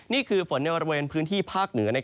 นี่คือฝนในบริเวณพื้นที่ภาคเหนือ